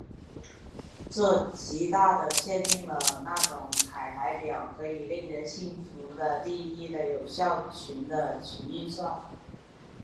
这极大的限定了那种凯莱表可以令人信服的定义有效的群运算。